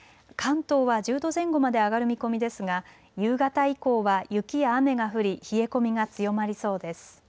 関東は１０度前後まで上がる見込みですが夕方以降は雪や雨が降り、冷え込みが強まりそうです。